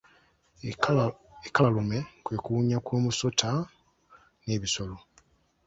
Ekkalalume kwe kuwunya kwomusota n'ebisolo.